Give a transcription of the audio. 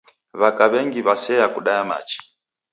W'aka w'engi w'asea kudaya machi.